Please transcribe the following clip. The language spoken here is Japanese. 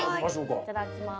いただきます。